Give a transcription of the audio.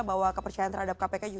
bahwa kepercayaan terhadap kpk